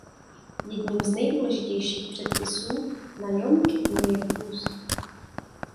Jedním z nejdůležitějších předpisů na Jom kipur je půst.